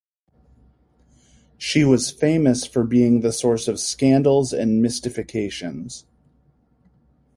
She was famous for being the source of scandals and mystifications.